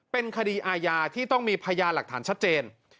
เป็นคดีอาญาที่ต้องมีพยานหลักฐานชัดเจน